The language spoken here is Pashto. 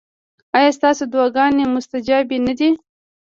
ایا ستاسو دعاګانې مستجابې نه دي؟